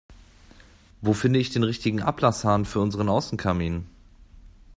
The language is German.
Wo finde ich den richtigen Ablasshahn für unseren Außenkamin?